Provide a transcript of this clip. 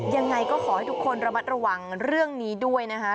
ยังไงก็ขอให้ทุกคนระมัดระวังเรื่องนี้ด้วยนะคะ